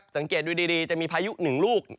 สังเกตดูดีจะมีพายุหนึ่งลูก